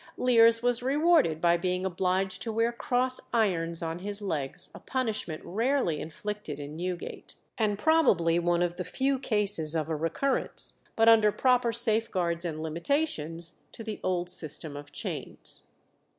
Lears was rewarded by being obliged to wear cross irons on his legs, a punishment rarely inflicted in Newgate, and probably one of the few cases of a recurrence, but under proper safeguards and limitations, to the old system of chains.